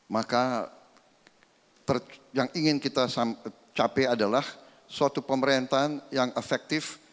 maka yang ingin kita capai adalah suatu pemerintahan yang efektif